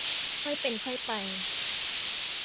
ค่อยเป็นค่อยไป